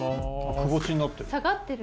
窪地になってる。